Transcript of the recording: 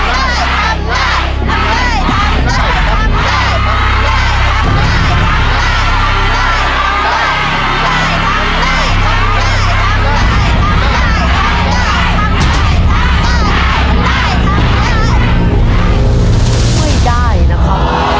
ไม่ได้นะคะ